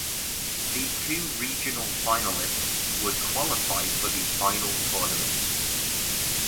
The two regional finalists would qualify for the final tournament.